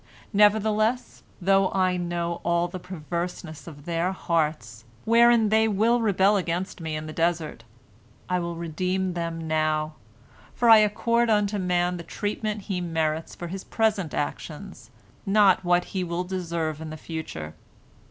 Nevertheless, though I know all the perverseness of their hearts, wherein they will rebel against Me in the desert, I will redeem them now, for I accord unto man the treatment he merits for his present actions, not what he will deserve in the future.